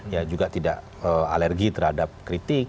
ya juga tidak alergi terhadap kritik